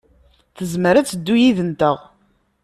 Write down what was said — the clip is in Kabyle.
Tezmer ad teddu yid-nteɣ.